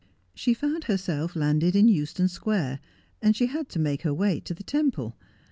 She found herself landed in Euston Square, and she had to make her way to the Temple.